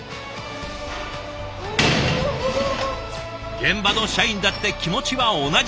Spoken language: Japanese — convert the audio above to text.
現場の社員だって気持ちは同じ。